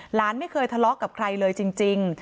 หลานไม่เคยทะเลาะกับใครเลยจริง